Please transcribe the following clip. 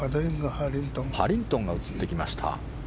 ハリントンが映ってきました。